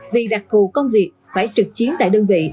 vì rạc hồ công việc phải trực chiến tại đơn vị